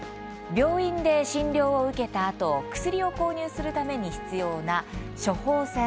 病院で診療を受けたあと薬を購入するために必要な処方箋。